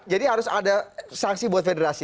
jadi harus ada sanksi buat federasi